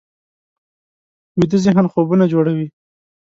ویده ذهن خوبونه جوړوي